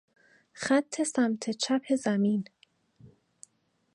خط سمت چپ زمین